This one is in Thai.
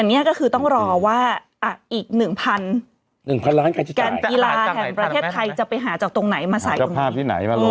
แต่นี่ก็คือต้องรอว่าอีก๑๐๐๐การกีฬาแห่งประเทศไทยจะไปหาจากตรงไหนมาใส่ตรงนี้